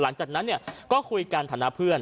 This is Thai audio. หลังจากนั้นก็คุยกันฐานะเพื่อน